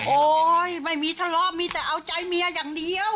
โอ๊ยไม่มีทะเลาะมีแต่เอาใจเมียอย่างเดียว